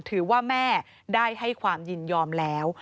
ถือว่าแม่ได้ให้ความยินยอมแล้ว